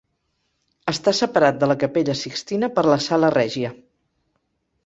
Està separat de la Capella Sixtina per la Sala Regia.